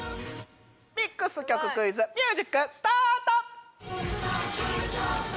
ミックス曲クイズミュージックスタート！